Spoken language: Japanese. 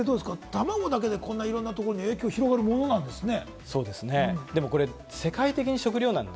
たまごだけでいろんなところに影響が広がるものなんですか？